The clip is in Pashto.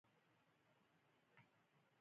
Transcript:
د یو بشپړ نظم په هر بیت کې د یو سېلاب زیاتوالی.